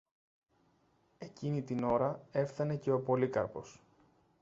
Εκείνη την ώρα έφθανε και ο Πολύκαρπος.